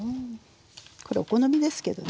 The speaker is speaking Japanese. これお好みですけどね。